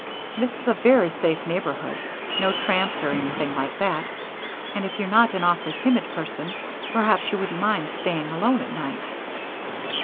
This is a very safe neighborhood, no tramps or anything like that, and if you're not an awfully timid person, perhaps you wouldn't mind staying alone at night."